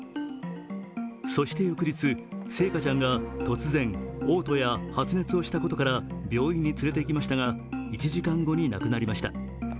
そして翌日、星華ちゃんが突然おう吐や発熱をしたことから病院に連れて行きましたが１時間後に亡くなりました。